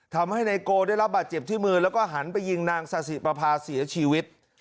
ทำให้ไนโกได้รับบาดเจ็บที่มือแล้วก็หันไปยิงนางสาธิประพาเสียชีวิต